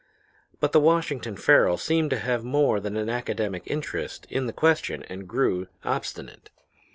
"But the Washington Farrel seemed to have more than an academic interest in the question and grew obstinate.